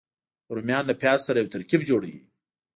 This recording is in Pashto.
رومیان له پیاز سره یو ترکیب جوړوي